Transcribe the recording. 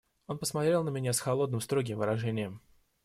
Он посмотрел на меня с холодным, строгим выражением.